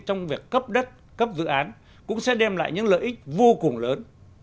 trong việc cấp đất cấp dự án cũng sẽ đem lại những lợi ích vô cùng lớn